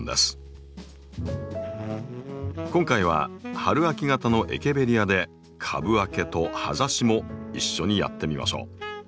今回は春秋型のエケベリアで「株分け」と「葉ざし」も一緒にやってみましょう。